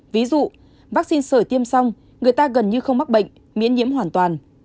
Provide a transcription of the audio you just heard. ví dụ vaccine sởi tiêm xong người ta gần như không mắc bệnh miễn nhiễm hoàn toàn